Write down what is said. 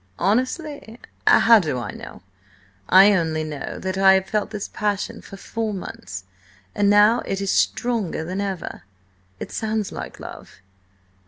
"Honestly? How do I know? I only know that I have felt this passion for four months, and now it is stronger than ever. It sounds like love."